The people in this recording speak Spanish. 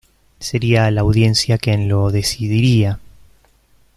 Sería la audiencia quien lo decidiría.